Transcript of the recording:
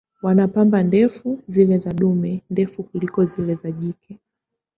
Wana pamba ndefu, zile za dume ndefu kuliko zile za jike.